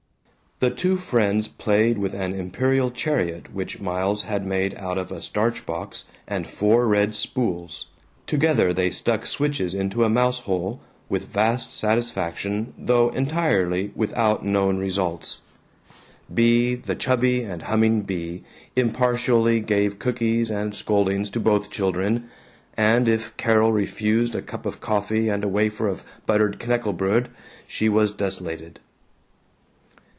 The two friends played with an imperial chariot which Miles had made out of a starch box and four red spools; together they stuck switches into a mouse hole, with vast satisfaction though entirely without known results. Bea, the chubby and humming Bea, impartially gave cookies and scoldings to both children, and if Carol refused a cup of coffee and a wafer of buttered knackebrod, she was desolated.